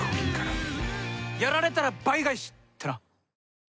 やられたら倍返しってな！